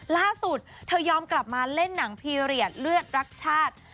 ล่าสุดเธอยอมกลับมาเล่นหนังพีเรียสเลือดรักชาติ